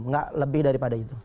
enggak lebih daripada itu